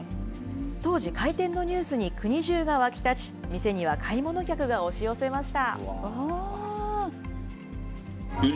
当時開店のニュースに国中が沸き立ち、店には買い物客が押し寄せました。